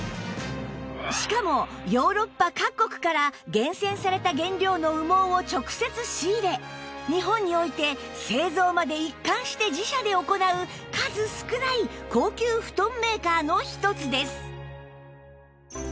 しかもヨーロッパ各国から厳選された原料の羽毛を直接仕入れ日本において製造まで一貫して自社で行う数少ない高級布団メーカーの一つです